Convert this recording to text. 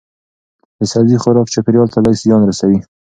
د سبزی خوراک چاپیریال ته لږ زیان رسوي.